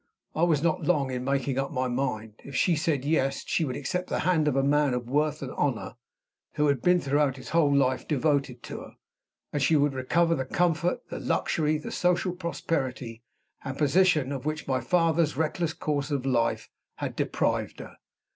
I was not long in making up my mind. If she said Yes, she would accept the hand of a man of worth and honor, who had been throughout his whole life devoted to her; and she would recover the comfort, the luxury, the social prosperity and position of which my father's reckless course of life had deprived her.